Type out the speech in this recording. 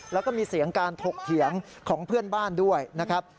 แล้วก็มีเสียงการถกเถียงของเพื่อนบ้านด้วยนะครับ